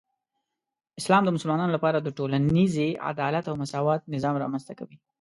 اسلام د مسلمانانو لپاره د ټولنیزې عدالت او مساوات نظام رامنځته کوي.